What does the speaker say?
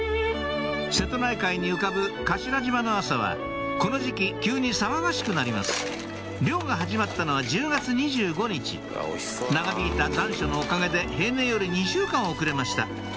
瀬戸内海に浮かぶ頭島の朝はこの時期急に騒がしくなります漁が始まったのは１０月２５日長引いた残暑のおかげで平年より２週間遅れました